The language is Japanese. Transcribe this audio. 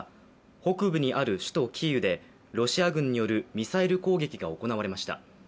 北部にある首都キーウでロシア軍によるミサイル攻撃が行われました。